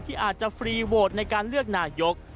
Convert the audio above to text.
ที่อาจจะฟรีโหวตในการเลือกนายก